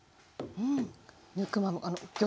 うん。